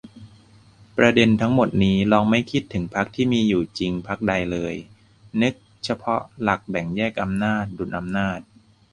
ประเด็นทั้งหมดนี้ ลองไม่คิดถึงพรรคที่มีอยู่จริงพรรคใดเลย นึกเฉพาะหลักแบ่งแยกอำนาจ-ดุลอำนาจ